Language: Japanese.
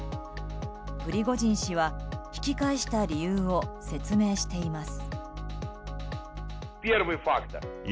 プリゴジン氏は引き返した理由を説明しています。